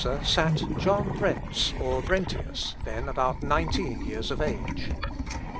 Not far from Bucer sat John Brentz or Brentius, then about nineteen years of age.